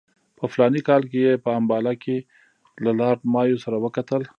په فلاني کال کې یې په امباله کې له لارډ مایو سره وکتل.